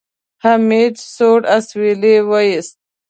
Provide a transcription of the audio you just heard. حميد سوړ اسويلی وېست.